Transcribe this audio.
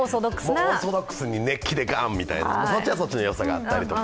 オーソドックスに熱気でガンみたいな、そっちはそっちでよさがあったりとか。